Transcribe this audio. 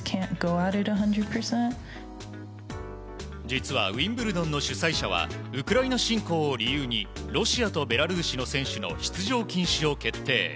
実はウィンブルドンの主催者はウクライナ侵攻を理由にロシアとベラルーシの選手の出場禁止を決定。